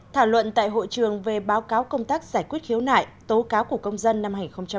thảo luận tại hội trường về báo cáo công tác giải quyết khiếu nại tố cáo của công dân năm hai nghìn một mươi chín